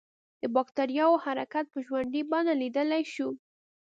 د بکټریاوو حرکت په ژوندۍ بڼه لیدلای شو.